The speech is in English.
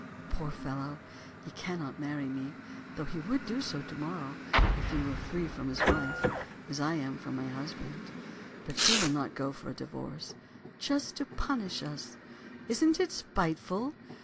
Poor fellow, he cannot marry me, though he would do so to morrow, if he were free from his wife, as I am from my husband. But she will not go for a divorce, just to punish us; isn't it spiteful?